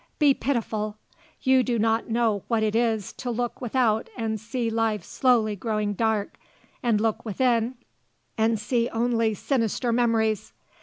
Be pitiful. You do not know what it is to look without and see life slowly growing dark and look within and see only sinister memories.